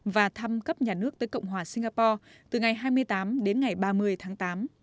và thăm cấp nhà nước tới cộng hòa singapore từ ngày hai mươi tám đến ngày ba mươi tháng tám